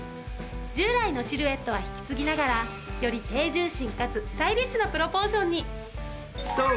従来のシルエットは引き継ぎながらより低重心かつスタイリッシュなプロポーションに！